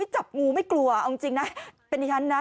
จับงูไม่กลัวเอาจริงนะเป็นดิฉันนะ